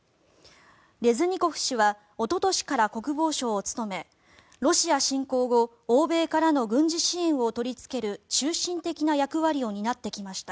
レズニコフ氏はおととしから国防相を務めロシア侵攻後欧米からの軍事支援を取りつける中心的な役割を担ってきました。